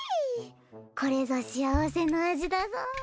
これぞ幸せの味だぞ。